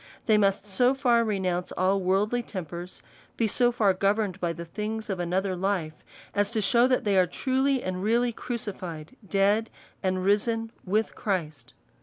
They must so far renounce all worldly tempers, be so far govern ed by the things of another life, as to shew, that they are truly and really crucified, dead, and risen with Christ.